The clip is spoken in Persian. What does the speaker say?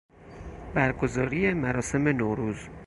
برگزاری مراسم نوروز